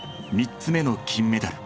３つ目の金メダル。